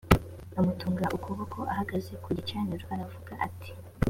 amutunga ukuboko ahagaze ku gicaniro aravuga ati